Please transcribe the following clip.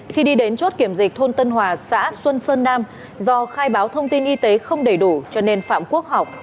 khi đi đến chốt kiểm dịch thôn tân hòa xã xuân sơn nam do khai báo thông tin y tế không đầy đủ cho nên phạm quốc học